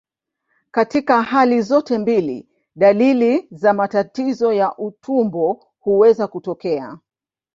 Katika hali zote mbili, dalili za matatizo ya utumbo huweza kutokea.